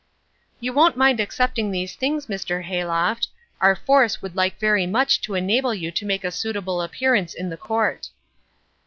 "You won't mind accepting these things, Mr. Hayloft. Our force would like very much to enable you to make a suitable appearance in the court."